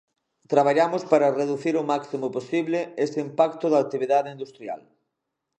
Traballamos para reducir o máximo posible ese impacto da actividade industrial.